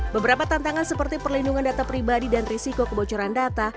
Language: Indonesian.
beberapa tantangan seperti perlindungan data pribadi dan risiko kebocoran data